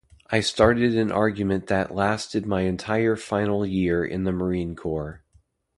I started an argument that lasted my entire final year in the Marine Corps.